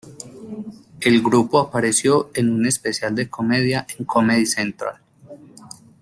El grupo apareció en un especial de comedia en Comedy Central.